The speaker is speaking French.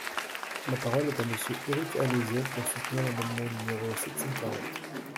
La parole est à Monsieur Éric Alauzet, pour soutenir l’amendement numéro sept cent quarante.